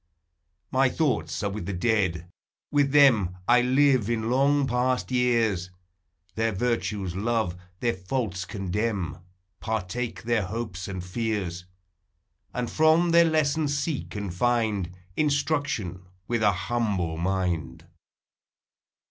My thoughts are with the dead; with them I live in long past years; Their virtues love, their faults condemn, Partake their hopes and fears. And from their lessons seek and find Instruction with an humble mind.